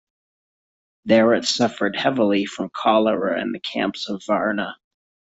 There it suffered heavily from cholera in the camps of Varna.